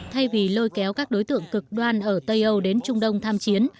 thay vì lôi kéo các đối tượng cực đoan ở tây âu đến trung đông tham chiến